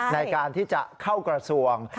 ในการที่จะเข้ากระทรวง